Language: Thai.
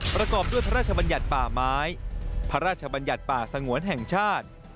ประกอบด้วยพระราชบัญญัติป่าไม้พระราชบัญญัติป่าสงวนแห่งชาติ